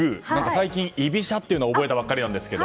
最近、居飛車というのを覚えたばかりなんですが。